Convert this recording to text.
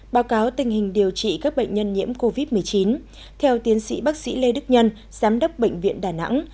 báo cáo tình hình điều trị các bệnh nhân nhiễm covid một mươi chín theo tiến sĩ bác sĩ lê đức nhân giám đốc bệnh viện đà nẵng